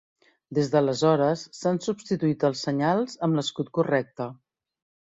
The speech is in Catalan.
Des d'aleshores s'han substituït els senyals amb l'escut correcte.